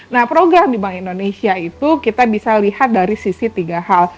nah program di bank indonesia itu kita bisa lihat dari sisi tiga hal